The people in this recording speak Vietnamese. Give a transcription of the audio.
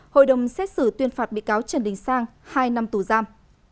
hội đồng xét xử tuyên phạt bị cáo trần đình sang hai năm tù giam